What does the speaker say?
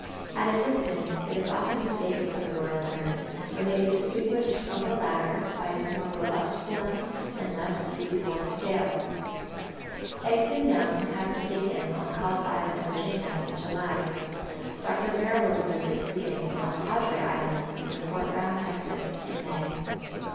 At a distance it is often mistaken for the Royal Tern, but may be distinguished from the latter by its more robust form and less deeply forked tail. Eggs and young have been taken on Cobb's Island, Virginia, in July. Dr. Merrill observed it breeding on Padre Island, near Fort Brown, Texas, in May.